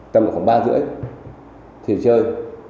tầm khoảng ba rưỡi thì chơi